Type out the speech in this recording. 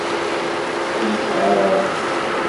Ur nesɛi ara ṛṛeḥma.